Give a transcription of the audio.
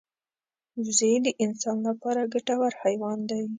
وزې د انسان لپاره ګټور حیوان دی